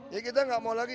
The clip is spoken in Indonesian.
jadi kita nggak mau lagi